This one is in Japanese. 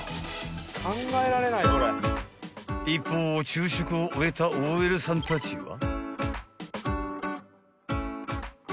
［一方昼食を終えたＯＬさんたちは］